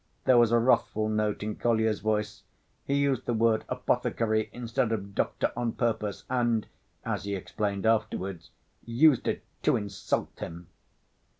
There was a wrathful note in Kolya's voice. He used the word apothecary instead of doctor on purpose, and, as he explained afterwards, used it "to insult him."